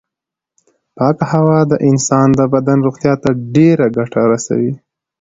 پاکه هوا د انسان د بدن روغتیا ته ډېره ګټه رسوي.